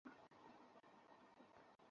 কি ভাবছিস, কবির?